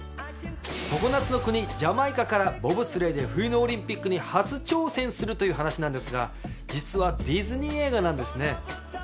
常夏の国ジャマイカからボブスレーで冬のオリンピックに初挑戦するという話なんですが実はディズニー映画なんですね。